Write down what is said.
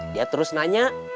dia terus nanya